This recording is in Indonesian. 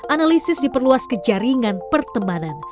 analisis diperluas ke jaringan pertemanan